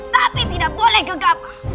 tapi tidak boleh gegapa